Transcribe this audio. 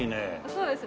そうです。